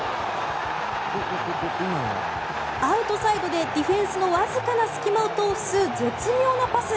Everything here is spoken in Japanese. アウトサイドでディフェンスのわずかな隙間を通す絶妙なパス。